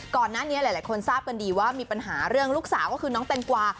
ก่อนหน้านี้หลายคนทราบกันดีว่ามีปัญหาเรื่องลูกสาวก็คือน้องแตงกวา